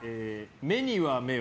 目には目を。